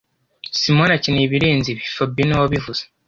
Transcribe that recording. Simoni akeneye ibirenze ibi fabien niwe wabivuze